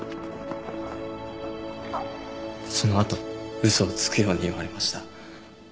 その後嘘をつくように言われました。